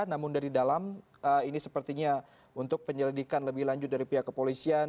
namun dari dalam ini sepertinya untuk penyelidikan lebih lanjut dari pihak kepolisian